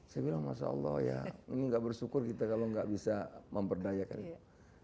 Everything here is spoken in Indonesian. saya bilang masya allah ya ini enggak bersyukur kita kalau enggak bisa memperdayakannya